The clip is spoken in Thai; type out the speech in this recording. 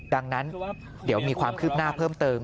ดังนั้นเดี๋ยวมีความคืบหน้าเพิ่มเติม